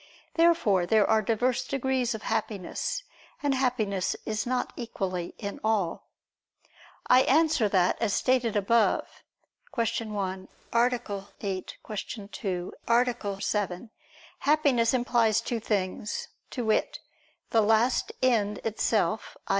Therefore there are diverse degrees of Happiness, and Happiness is not equally in all. I answer that, As stated above (Q. 1, A. 8; Q. 2, A. 7), Happiness implies two things, to wit, the last end itself, i.